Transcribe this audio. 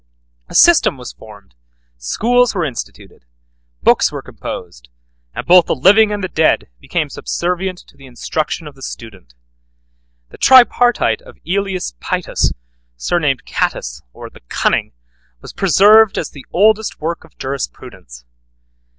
A system was formed, schools were instituted, books were composed, and both the living and the dead became subservient to the instruction of the student. The tripartite of Aelius Paetus, surnamed Catus, or the Cunning, was preserved as the oldest work of Jurisprudence.